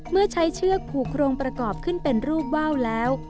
เมื่อใช้เชือกผูกโครงประกอบขึ้นเป็นรูปว่าวแล้ว